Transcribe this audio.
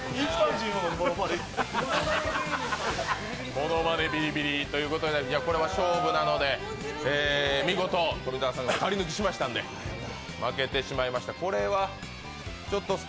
ものまねビリビリということで、これは勝負なので、見事富澤さんが返り咲きしましたので負けてしまいました。